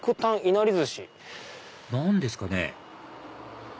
何ですかね？